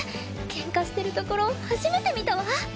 ケンカしてるところ初めて見たわ。